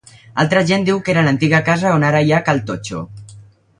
Altra gent diu que era l'antiga casa on ara hi ha Cal Totxo.